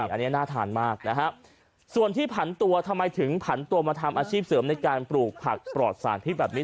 อันนี้น่าทานมากนะฮะส่วนที่ผันตัวทำไมถึงผันตัวมาทำอาชีพเสริมในการปลูกผักปลอดสารพิษแบบนี้